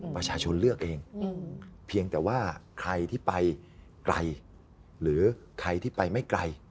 ประชาชนเลือกเองเพียงแต่ว่าใครที่ไปไกลหรือใครที่ไปไม่ไกล